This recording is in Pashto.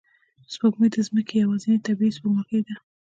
سپوږمۍ د ځمکې یوازینی طبیعي سپوږمکۍ ده